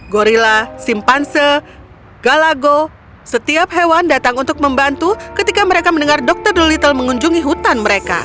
gorilla simpanse galago setiap hewan datang untuk membantu ketika mereka mendengar dokter dolittle mengunjungi hutan mereka